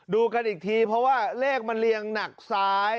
ดูกันอีกทีเพราะว่าเลขมันเรียงหนักซ้าย